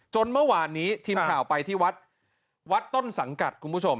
เมื่อวานนี้ทีมข่าวไปที่วัดวัดต้นสังกัดคุณผู้ชม